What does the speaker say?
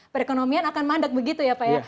perekonomian akan mandat begitu ya pak ya